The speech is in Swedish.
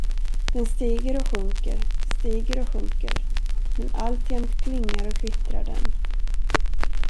Den stiger och sjunker, stiger och sjunker, men alltjämt klingar och kvittrar den.